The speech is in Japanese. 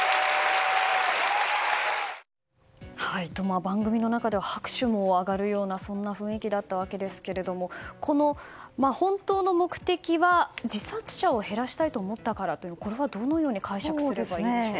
番組の中では拍手も上がるようなそんな雰囲気だったわけですがこの本当の目的は自殺者を減らしたいと思ったからと、これはどのように解釈すればいいんでしょうか。